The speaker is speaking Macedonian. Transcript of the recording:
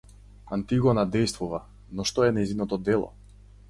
Антигона дејствува, но што е нејзиното дело?